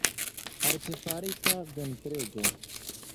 Artefarita ventrego.